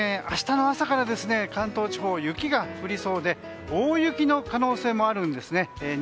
明日の朝から関東地方雪が降りそうで大雪の可能性もあるんですね。